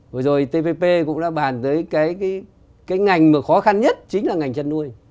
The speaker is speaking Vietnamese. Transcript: vừa rồi tvp cũng đã bàn tới cái ngành mà khó khăn nhất chính là ngành chăn nuôi